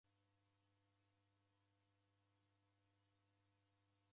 Odeja shighadi.